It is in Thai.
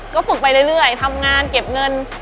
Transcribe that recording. ก็ฝึกไปเรื่อยทำงานเก็บเงิน